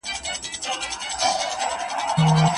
وروڼه يوسف عليه السلام ته احتياج سول.